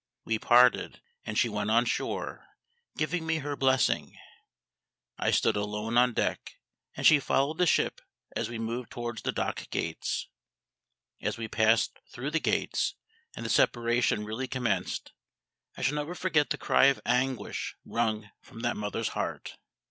We parted; and she went on shore, giving me her blessing; I stood alone on deck, and she followed the ship as we moved towards the dock gates. As we passed through the gates, and the separation really commenced, I shall never forget the cry of anguish wrung from that mother's heart.